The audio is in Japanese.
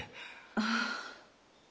ああ。